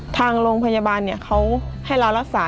ทางโรงพยาบาลเขาให้เรารักษา